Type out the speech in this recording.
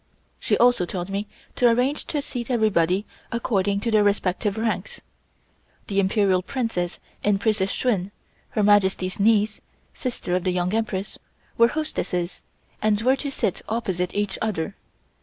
She also told me to arrange to seat everybody according to their respective ranks. The Imperial Princess and Princess Shun (Her Majesty's niece, sister of the Young Empress) were hostesses, and were to sit opposite each other.